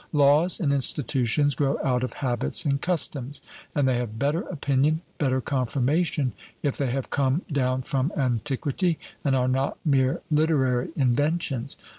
Laws and institutions grow out of habits and customs; and they have 'better opinion, better confirmation,' if they have come down from antiquity and are not mere literary inventions.